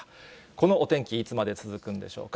このお天気、いつまで続くんでしょうか。